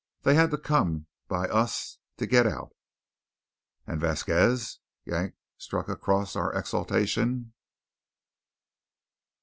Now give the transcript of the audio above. They had to come by us to git out." "And Vasquez?" Yank struck across our exultation.